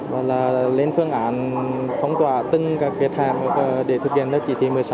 và là lên phương án phong tỏa từng các kết hạm để thực hiện đối chí thị một mươi sáu